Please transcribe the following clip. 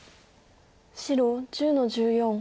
白１０の十四。